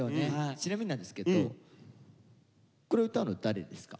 ちなみになんですけどこれ歌うの誰ですか？